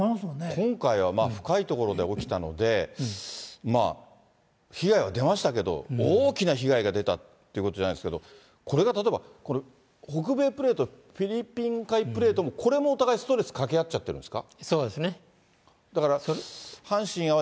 今回は深い所で起きたので、被害は出ましたけど、大きな被害が出たっていうことではないですけれども、これが例えば、北米プレート、フィリピン海プレートの、これもお互いストレスかけ合っちゃってるんですか？